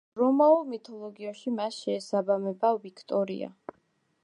რომაულ მითოლოგიაში მას შეესაბამება ვიქტორია.